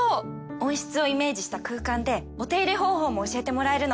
温室をイメージした空間でお手入れ方法も教えてもらえるの！